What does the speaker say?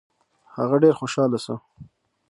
هغه ډېر خوشاله شو.